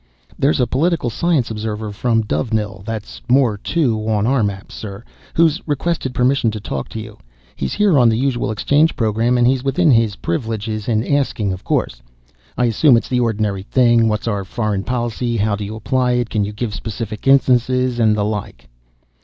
"There's a political science observer from Dovenil that's Moore II on our maps, sir who's requested permission to talk to you. He's here on the usual exchange program, and he's within his privileges in asking, of course. I assume it's the ordinary thing what's our foreign policy, how do you apply it, can you give specific instances, and the like."